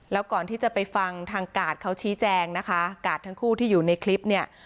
แล้วก่อนที่จะไปฟังทางกาดเขาชี้แจงนะคะกาดทั้งคู่ที่อยู่ในคลิปเนี่ย